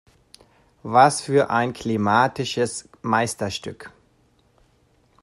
Was für ein klimatisches Meisterstück.